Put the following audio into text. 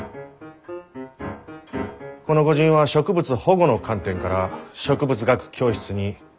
この御仁は植物保護の観点から植物学教室に反対運動に加われと。